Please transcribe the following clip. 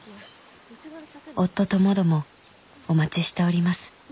夫ともどもお待ちしております。